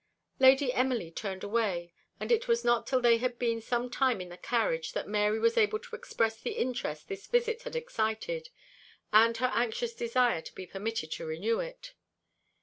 Lady Emily turned away, and it was not till they had been some time in the carriage that Mary was able to express the interest this visit had excited, and her anxious desire to be permitted to renew it.